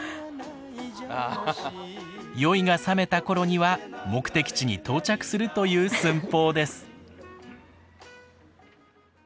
酔いがさめた頃には目的地に到着するという寸法です。